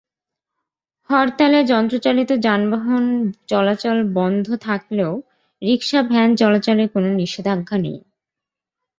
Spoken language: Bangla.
হরতালে যন্ত্রচালিত যানবাহন চলাচল বন্ধ থাকলেও রিকশা-ভ্যান চলাচলে কোনো নিষেধাজ্ঞা নেই।